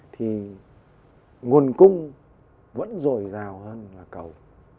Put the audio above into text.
thì nguồn cung vẫn dồi dào hơn là cầu